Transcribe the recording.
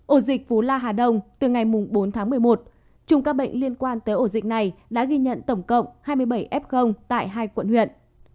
ổ dịch phú la hà đông từ ngày mùng bốn tháng một mươi một chùm ca bệnh liên quan tới ổ dịch này đã ghi nhận tổng cộng hai mươi bảy f tại hai quận huyện